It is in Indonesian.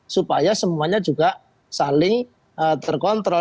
supaya semuanya juga saling terkontrol